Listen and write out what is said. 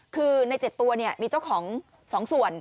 คือใน๗ตัวมีเจ้าของ๒ส่วน